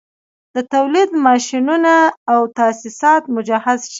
د تولید ماشینونه او تاسیسات مجهز شي